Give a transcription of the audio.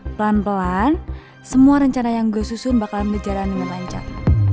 pelan pelan semua rencana yang gue susun bakal berjalan dengan lancar